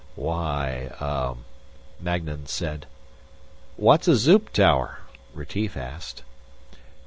"Why ... ah ..." Magnan said. "What's a zoop tower?" Retief asked.